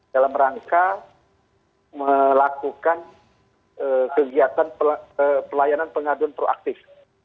dalam rangka melakukan kegiatan pelayanan pengaduan proaktif